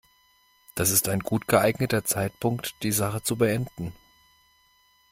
Das ist ein gut geeigneter Zeitpunkt, die Sache zu beenden.